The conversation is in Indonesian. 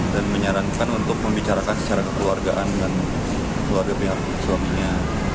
dan menyarankan untuk membicarakan secara kekeluargaan dan keluarga pihak suaminya